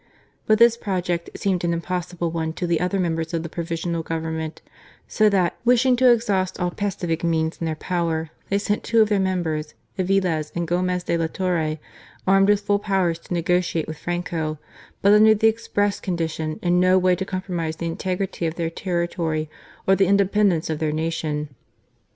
But this project seemed an impos sible one to the other members of the Provisional Government ; so that, wishing to exhaust all pacific means in their power, they sent two of their members, Avilez and Gomez de la Torre, armed with full powers to negotiate with Franco, but under the ex press condition in no way to compromise the integrity of their territory or the independence of their nation. NEGOTIATIONS AND BATTLES.